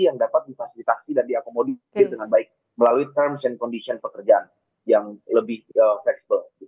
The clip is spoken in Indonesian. yang dapat difasilitasi dan diakomodir dengan baik melalui terms and condition pekerjaan yang lebih fleksibel